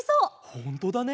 ほんとだね。